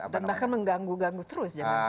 dan bahkan mengganggu ganggu terus jangan jangan